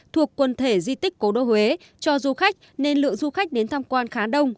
thuộc quần thể di tích cố đô huế cho du khách nên lượng du khách đến tham quan khá đông